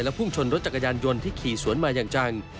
แล้วพุ่งชนรถจักรยานยนต์ที่ขี่สวนมาจัง